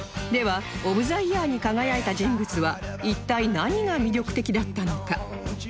ではオブ・ザ・イヤーに輝いた人物は一体何が魅力的だったのか？